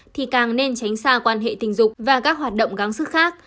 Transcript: thì càng nên tránh xa quan hệ tình dục và các hoạt động gắn sức khác